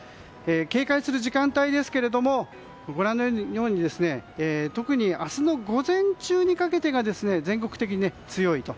警戒する時間帯ですが明日の午前中にかけてが全国的に強いと。